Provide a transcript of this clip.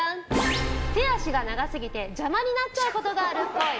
手脚が長すぎて邪魔になっちゃうことがあるっぽい。